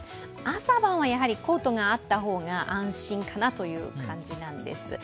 朝晩は、やはりコートがあった方が安心かなという感じなんです。